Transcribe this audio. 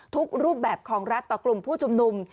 รูปแบบของรัฐต่อกลุ่มผู้ชุมนุม